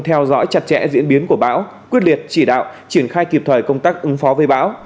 theo dõi chặt chẽ diễn biến của bão quyết liệt chỉ đạo triển khai kịp thời công tác ứng phó với bão